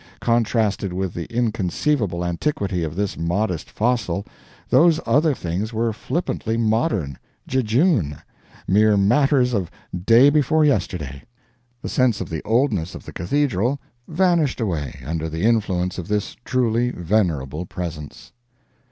Contrasted with the inconceivable antiquity of this modest fossil, those other things were flippantly modern jejune mere matters of day before yesterday. The sense of the oldness of the Cathedral vanished away under the influence of this truly venerable presence.